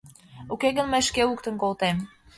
Уке гын мый шке луктын колтем!..